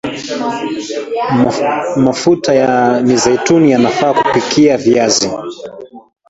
mafuta ya mizeituni yanafaa kupikia viazi